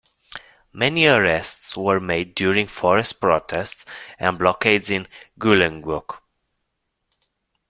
Many arrests were made during forest protests and blockades in Goolengook.